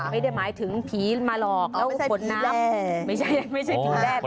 ไม่ได้หมายถึงผีมาหลอกไม่ใช่ผีแร่